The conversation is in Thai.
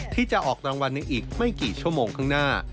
ที่จะออกรางวัลในอีกไม่กี่ชั่วโมงข้างหน้า